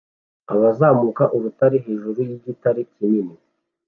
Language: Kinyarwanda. Abazamuka urutare hejuru yigitare kinini